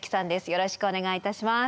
よろしくお願いします。